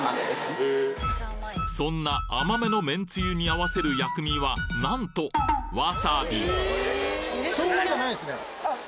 そんな甘めのめんつゆにあわせる薬味はなんとあっ。